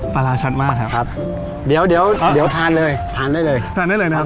ปลาร้าชัดมากครับครับเดี๋ยวเดี๋ยวทานเลยทานได้เลยทานได้เลยนะครับ